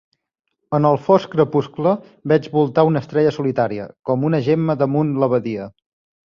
En el fosc crepuscle, veig voltar una estrella solitària, com una gemma damunt la badia.